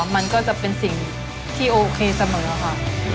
มันก็จะเป็นสิ่งที่โอเคเสมอค่ะ